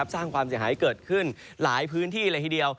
สร้างความเสียหายเกิดขึ้นหลายพื้นที่เลยทีเดียว